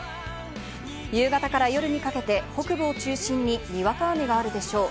夕方から夜にかけて北部を中心ににわか雨があるでしょう。